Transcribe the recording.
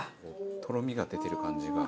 とろみが出てる感じが。